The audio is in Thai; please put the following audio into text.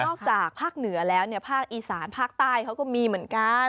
จากภาคเหนือแล้วเนี่ยภาคอีสานภาคใต้เขาก็มีเหมือนกัน